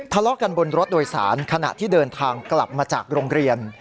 ทะเลาะกันบนรถโดยสารขณะที่เดินทางกลับมาจากโรงเรียน